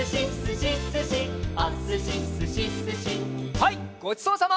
はいごちそうさま！